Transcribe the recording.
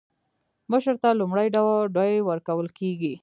مشر ته لومړی ډوډۍ ورکول کیږي.